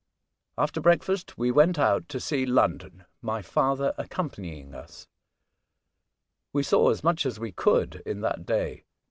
After breakfast we went out to see London, my father accompanying us. We saw as much as we could in that day.